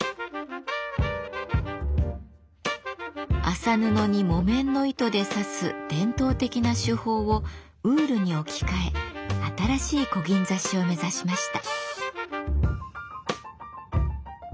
麻布に木綿の糸で刺す伝統的な手法をウールに置き換え新しいこぎん刺しを目指しました。